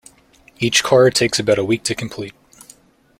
Each car takes about a week to complete.